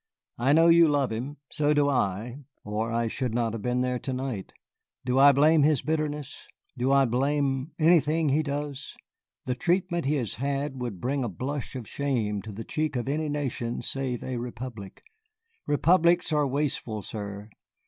"I know you love him. So do I, or I should not have been there tonight. Do I blame his bitterness? Do I blame anything he does? The treatment he has had would bring a blush of shame to the cheek of any nation save a republic. Republics are wasteful, sir.